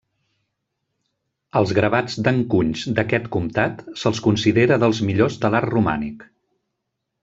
Els gravats d'encunys d'aquest comtat se'ls considera dels millors de l'art romànic.